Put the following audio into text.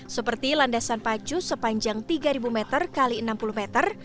seperti landasan pacu sepanjang tiga meter x enam puluh meter